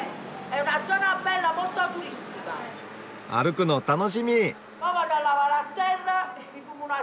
歩くの楽しみ！